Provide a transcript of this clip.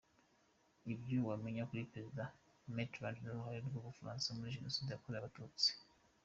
Ibyo wamenya kuri Perezida Mitterrand n’uruhare rw’u Bufaransa muri Jenoside yakorewe Abatutsi.